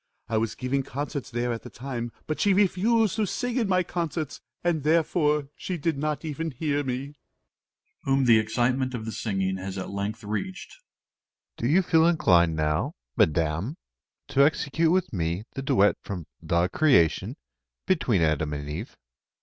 I was giving concerts there at the time; but she refused to sing in my concerts, and therefore she did not even hear me. MR. SILVER (whom the excitement of the singing has at length reached). Do you feel inclined now, Madam, to execute with me the duet from "The Creation," between Adam and Eve?